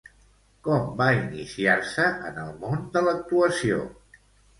Com va iniciar-se en el món de l'actuació?